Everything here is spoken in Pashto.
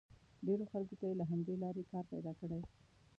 ډېرو خلکو ته یې له همدې لارې کار پیدا کړی.